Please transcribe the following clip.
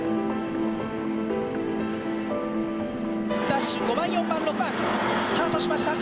ダッシュ５番４番６番スタートしました！